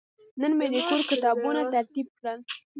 نن مې د کور کتابونه ترتیب کړل.